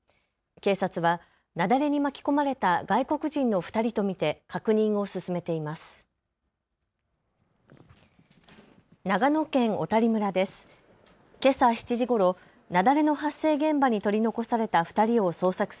警察は雪崩に巻き込まれた外国人の２人と見て確認を進めています。